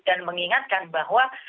dan mengingatkan bahwa